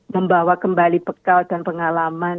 membawa kembali bekal dan pengalaman